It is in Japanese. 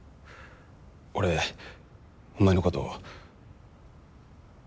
俺お前のこと。